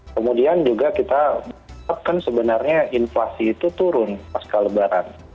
kemudian juga kita kan sebenarnya inflasi itu turun pasca lebaran